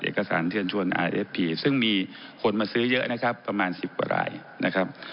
เอกสารเที่ยนชวนซึ่งมีคนมาซื้อเยอะนะครับประมาณสิบกว่ารายนะครับ